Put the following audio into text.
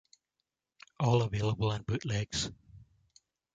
All available in bootlegs.